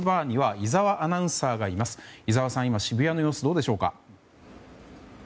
井澤さん、渋谷の様子どうでしょうか？